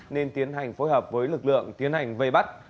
nên tiến hành phối hợp với lực lượng tiến hành vây bắt